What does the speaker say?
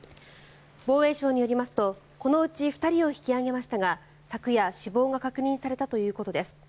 防衛省によりますとこのうち２人を引き揚げましたが昨夜、死亡が確認されたということです。